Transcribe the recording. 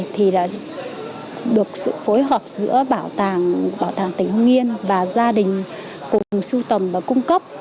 thì là được sự phối hợp giữa bảo tàng tỉnh hưng yên và gia đình cùng sưu tầm và cung cấp